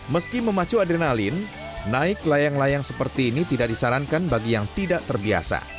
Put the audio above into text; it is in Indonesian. meski memacu adrenalin naik layang layang seperti ini tidak disarankan bagi yang tidak terbiasa